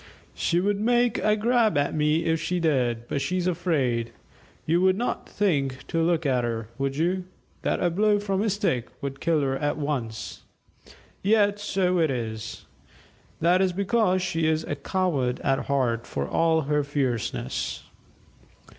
"She would make a grab at me if she dared, but she's afraid. You would not think to look at her, would you, that a blow from a stick would kill her at once? Yet so it is. That is because she is a coward at heart, for all her fierceness."